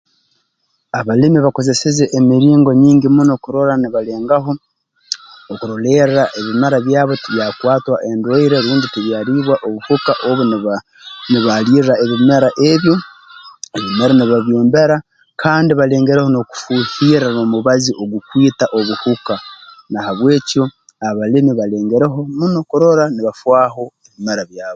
Abalimi bakozese emiringo nyingi muno kurora nibalengaho okurolerra ebimera byabo tibyakwatwa endwaire rundi tibyalibwa obuhuka obu niba nibalirra ebimera ebyo ebimera nibabyombera kandi balengereho n'okufuuhirra n'omubazi ogukwita obuhuka na habwekyo abalimi balengereho muno kurora nibafaaho ebimera byabo